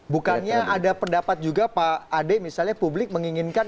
bukannya ada pendapat juga pak ade misalnya publik menginginkan